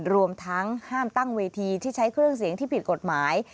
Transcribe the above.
รวมทั้งห้ามตั้งเวทีที่ใช้เครื่องเสียงที่ผิดกฎหมาย